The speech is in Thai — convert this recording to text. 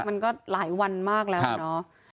มันก็หลายวันมากแล้วเนาะ